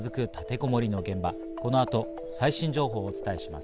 この後、最新情報をお伝えします。